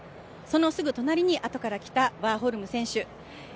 そのすぐ隣にあとから来たワーホルム選手。